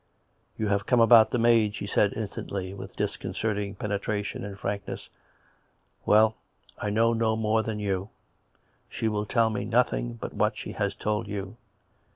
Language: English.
" You have come about the maid," she said instantly, with disconcerting penetration and frankness. " Well, I know no more than you. She will tell me nothing but what she has told you.